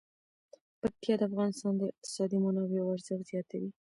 پکتیا د افغانستان د اقتصادي منابعو ارزښت زیاتوي.